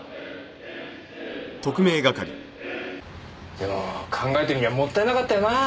でも考えてみりゃもったいなかったよな。